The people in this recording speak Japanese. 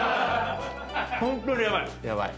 ホントにヤバい！